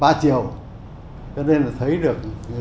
capture ẩn tải ẩn thuận ở tham đ dri ngân trong nền văn nước biển